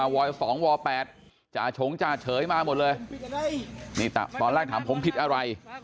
ว๒ว๘จ่าชงจ่าเฉยมาหมดเลยนี่ตอนแรกถามผมผิดอะไร